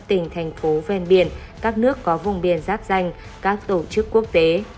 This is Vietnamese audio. tỉnh thành phố ven biển các nước có vùng biển giáp danh các tổ chức quốc tế